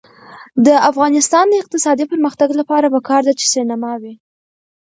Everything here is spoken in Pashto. د افغانستان د اقتصادي پرمختګ لپاره پکار ده چې سینما وي.